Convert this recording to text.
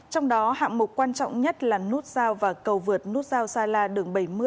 trong đó hạng mục quan trọng nhất là nút giao và cầu vượt nút giao sa la đường bảy mươi